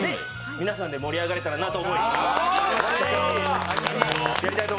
皆さんで盛り上がれたらなと。